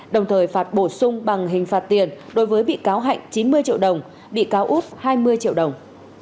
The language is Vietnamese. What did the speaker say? đồng thời phạt bổ sung bằng hình phạt tiền đối với bị cáo hạnh chín mươi triệu đồng bị cáo út hai mươi triệu đồng